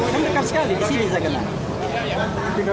kan dekat sekali disini saya kena